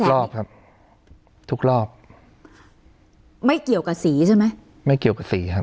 รอบครับทุกรอบไม่เกี่ยวกับสีใช่ไหมไม่เกี่ยวกับสีครับ